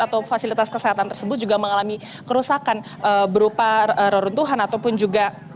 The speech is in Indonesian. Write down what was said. atau fasilitas kesehatan tersebut juga mengalami kerusakan berupa reruntuhan ataupun juga